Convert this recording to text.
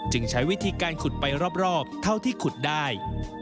ใช้วิธีการขุดไปรอบเท่าที่ขุดได้